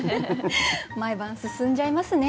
毎晩進んじゃいますね。